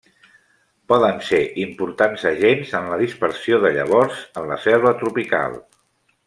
Poden ser importants agents en la dispersió de llavors en la selva tropical.